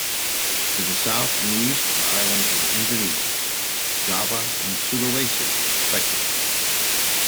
To the south and east are islands of Indonesia: Java and Sulawesi, respectively.